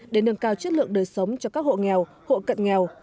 để nâng cao chất lượng đời sống cho các hộ nghèo hộ cận nghèo